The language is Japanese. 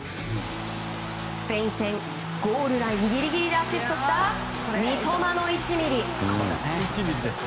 スペイン戦ゴールラインギリギリでアシストした、三笘の１ｍｍ。